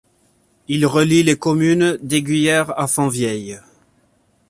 Il relie les communes d'Eyguières à Fontvieille.